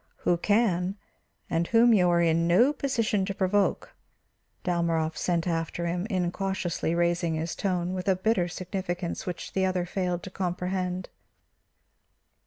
"Who can, and whom you are in no position to provoke," Dalmorov sent after him, incautiously raising his tone with a bitter significance which the other failed to comprehend.